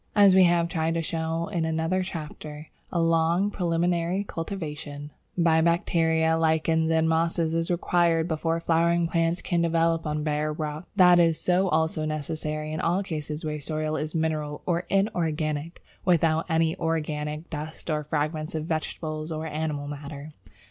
As we have tried to show in another chapter, a long preliminary cultivation by bacteria, lichens, and mosses is required before flowering plants can develop on bare rock. That is also necessary in all cases where the soil is mineral or inorganic, without any organic dust or fragments of vegetable or animal matter.